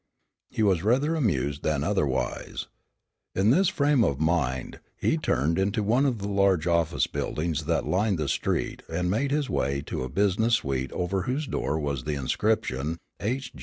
He was rather amused than otherwise. In this frame of mind, he turned into one of the large office buildings that lined the street and made his way to a business suite over whose door was the inscription, "H.